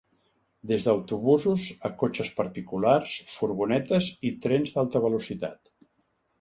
Des d’autobusos, a cotxes particulars, furgonetes i trens d’alta velocitat.